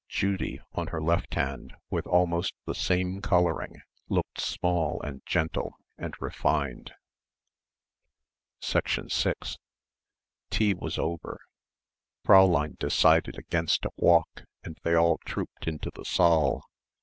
Judy on her left hand with almost the same colouring looked small and gentle and refined. 6 Tea was over. Fräulein decided against a walk and they all trooped into the saal.